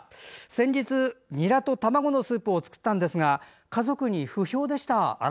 先日ニラと卵のスープを作ったんですが家族に不評でした。